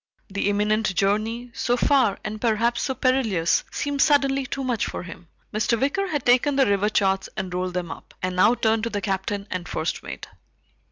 The imminent journey, so far and perhaps so perilous, seemed suddenly too much for him. Mr. Wicker had taken the river charts and rolled them up, and now turned to the Captain and first mate.